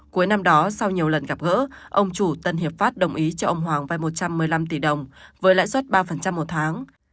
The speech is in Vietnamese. cuối năm đó sau nhiều lần gặp gỡ ông chủ tân hiệp pháp đồng ý cho ông hoàng vai một trăm một mươi năm tỷ đồng với lãi suất ba một tháng